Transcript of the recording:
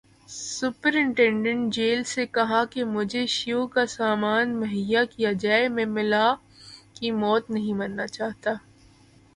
Superintendent jail سے کہا کہ مجھے شیو کا سامان مہیا کیا جائے، میں ملا کی موت نہیں مرنا چاہتا۔